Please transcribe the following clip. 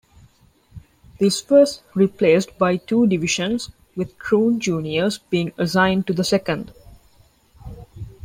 This was replaced by two Divisions with Troon Juniors being assigned to the Second.